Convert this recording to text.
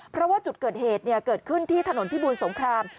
เพราะว่าจุดเกิดเหตุเกิดขึ้นที่ถนนพิบูรสงคราม